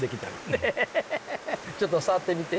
ちょっと触ってみて。